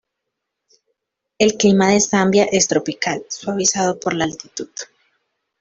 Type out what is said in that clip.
El clima de Zambia es tropical, suavizado por la altitud.